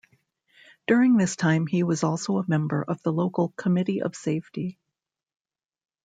During this time he was also a member of the local Committee of Safety.